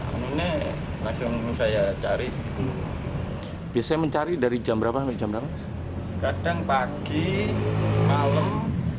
aneh langsung saya cari itu biasanya mencari dari jam berapa jam berapa kadang pagi malam